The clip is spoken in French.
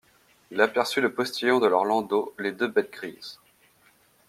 Il aperçut le postillon de leur landau, les deux bêtes grises.